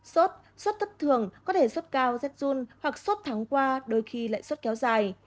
sốt sốt thất thường có thể sốt cao rét run hoặc sốt thắng qua đôi khi lại sốt kéo dài